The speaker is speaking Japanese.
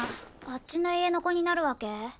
あっちの家の子になるわけ？